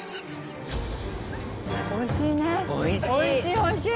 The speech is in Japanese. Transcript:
おいしい！